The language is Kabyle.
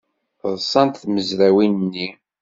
Ḍṣant tmezrawin-nni.